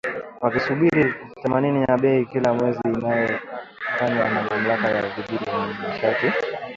wakisubiri tathmini ya bei kila mwezi inayofanywa na Mamlaka ya Udhibiti wa Nishati na